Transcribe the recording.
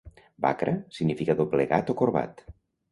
"Bakra" significa doblegat o corbat.